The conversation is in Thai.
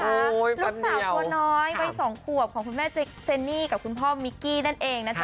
ลูกสาวตัวน้อยวัย๒ขวบของคุณแม่เจนนี่กับคุณพ่อมิกกี้นั่นเองนะจ๊